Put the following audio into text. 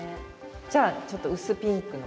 じゃあちょっと薄ピンクの。